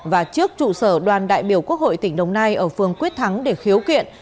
và trước trụ sở đoàn đại biểu quốc hội tỉnh đồng nai ở phương quyết thắng để khiếu kiện